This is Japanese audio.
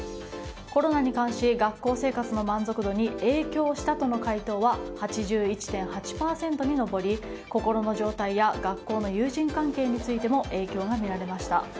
コロナに関し学校生活の満足度に影響したとの回答は８１．８％に上り、心の状態や学校の友人関係についても影響が見られました。